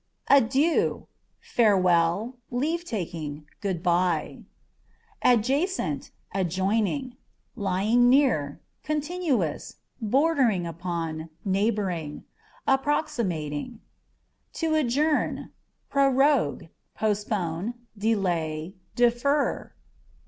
Adieu â€" farewell, leave taking, good bye. Adjacent, Adjoining â€" lying near, contiguous, bordering upon, neighbouring ; approximating. To Adjourn â€" prorogue ; postpone, delay, defer.